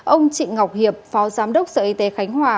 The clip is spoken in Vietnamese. ông trịnh ngọc hiệp phó giám đốc sở y tế khánh hòa